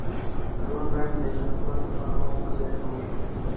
• ژوند لنډ دی، د نفرت لپاره وخت مه ضایع کوه.